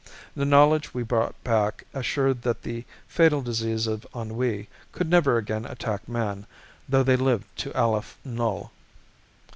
The knowledge we brought back assured that the fatal disease of ennui could never again attack man though they lived to Aleph Null.